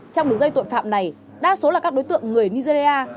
trong đường dây tội phạm này đa số là các đối tượng người nigeria